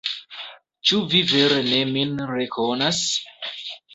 Ĉu vi vere ne min rekonas?